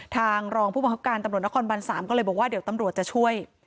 ทางรองผู้บังคับการตำรวจนครบัน๓ก็เลยบอกว่าเดี๋ยวตำรวจจะช่วย